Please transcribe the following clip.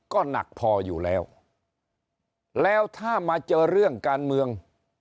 ก็หนักพออยู่แล้วแล้วถ้ามาเจอเรื่องการเมือง